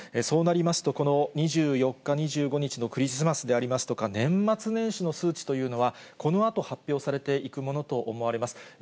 そうなりますと、この２４日、２５日のクリスマスでありますとか、年末年始の数字というのは、このあと発表されていくものと思われます。